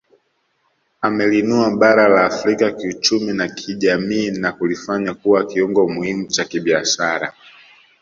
Imeliinua bara la Afrika kiuchumi na kijamii na kulifanya kuwa kiungo muhimu cha kibiashara